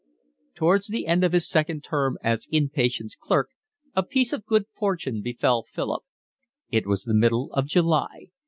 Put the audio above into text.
Towards the end of his second term as in patients' clerk a piece of good fortune befell Philip. It was the middle of July.